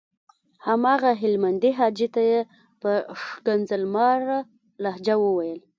هماغه هلمندي حاجي ته یې په ښکنځل ماره لهجه وويل.